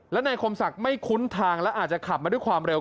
และนายคมศักดิ์ไม่คุ้นทางและอาจจะขับมาด้วยความเร็ว